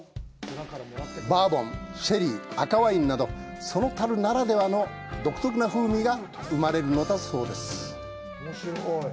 バーボン、シェリー、赤ワインなどそのたるならではの独特な風味が生まれるのだそうです。